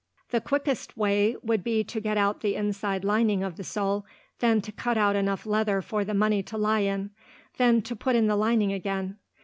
"The quickest way would be to get out the inside lining of the sole, then to cut out enough leather for the money to lie in, then to put in the lining again.